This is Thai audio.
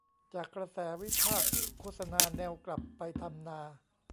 จากกระแสวิพากษ์โฆษณาแนวกลับไปทำนา